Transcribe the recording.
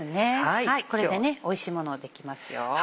これでおいしいものできますよ。